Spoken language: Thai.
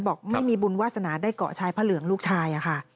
บอกไม่มีบุญวาสนาได้เกาะชายพระเหลืองลูกชายค่ะ